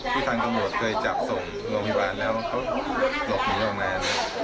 พี่ทางกำลังบอดเคยจับส่งโรงพยาบาลแล้วเขาหลบหนีออกมา